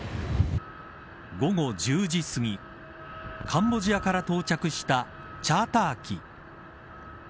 午後１０時すぎカンボジアから到着したチャーター機。